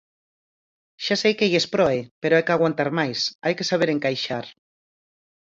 Xa sei que lles proe, pero hai que aguantar máis, hai que saber encaixar.